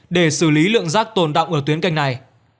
để xử lý lượng rác tồn đọng ở tuyến kênh này